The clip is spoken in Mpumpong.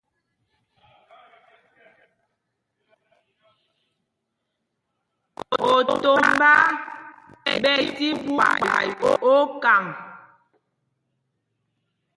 Otombá ɓɛ tí ɓu kpay okaŋ.